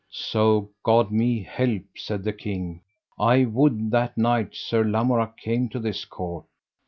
So God me help, said the king, I would that knight, Sir Lamorak, came to this Court.